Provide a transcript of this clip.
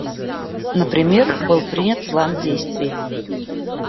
Например, был принят План действий.